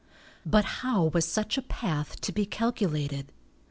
But how was such a path to be calculated?